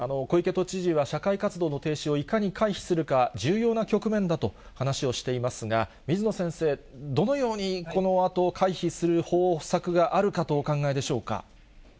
小池都知事は社会活動の停止をいかに回避するか、重要な局面だと話をしていますが、水野先生、どのようにこのあと回避する方策があるかとお考えでしょうか。